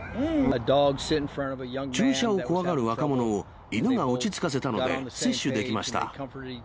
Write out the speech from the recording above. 注射を怖がる若者を犬が落ち着かせたので接種できました。